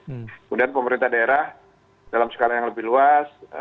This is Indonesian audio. kemudian pemerintah daerah dalam skala yang lebih luas